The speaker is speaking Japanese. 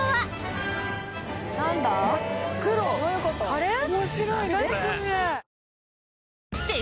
カレー？